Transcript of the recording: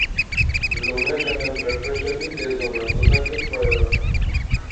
لُوناں کنے بلڈ پریشر نی تیز ہونا تساں کُس بایا